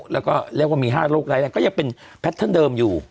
แล้วก็เรียกว่ามี๕โรคร้ายแรงก็ยังเป็นแพทเทิร์นเดิมอยู่